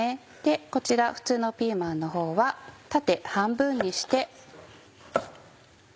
こちら普通のピーマンのほうは縦半分にして。